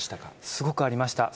すごくありました。